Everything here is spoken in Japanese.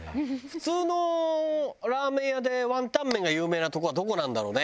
普通のラーメン屋でワンタン麺が有名なとこはどこなんだろうね？